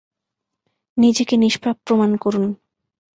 নিজেকে নিষ্পাপ প্রমান করুন।